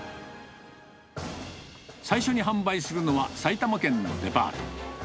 最初に販売するのは埼玉県のデパート。